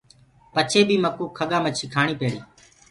پچهي بي مڪوُ کڳآ مڇيٚ کآڻيٚ پيڙيٚ۔